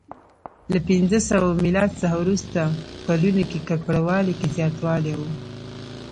له پنځه سوه میلاد څخه وروسته کلونو کې ککړوالي کې زیاتوالی و